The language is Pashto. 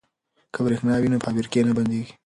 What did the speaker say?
که بریښنا وي نو فابریکې نه بندیږي.